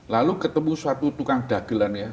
lalu ketemu suatu tukang dagelan ya